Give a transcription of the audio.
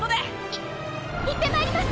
いいってまいります！